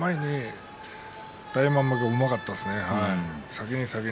大奄美がうまかったですね。